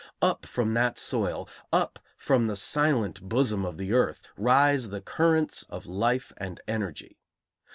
Up from that soil, up from the silent bosom of the earth, rise the currents of life and energy.